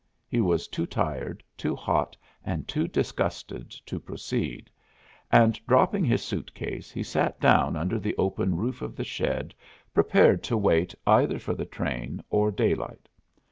He was too tired, too hot, and too disgusted to proceed, and dropping his suit case he sat down under the open roof of the shed prepared to wait either for the train or daylight.